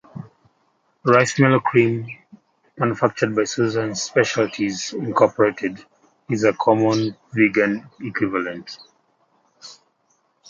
"Ricemellow Creme", manufactured by Suzanne's Specialties, Incorporated is a common vegan equivalent.